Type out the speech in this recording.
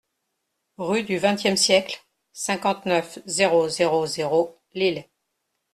Rue du XXème Siècle, cinquante-neuf, zéro zéro zéro Lille